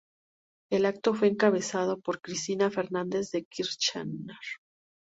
El acto fue encabezado por Cristina Fernández de Kirchner.